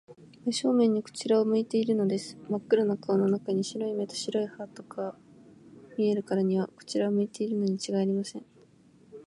真正面にこちらを向いているのです。まっ黒な顔の中に、白い目と白い歯とが見えるからには、こちらを向いているのにちがいありません。